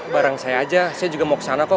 bareng saya aja saya juga mau kesana kok